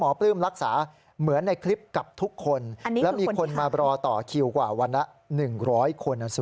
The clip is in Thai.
ปลื้มรักษาเหมือนในคลิปกับทุกคนและมีคนมารอต่อคิวกว่าวันละ๑๐๐คน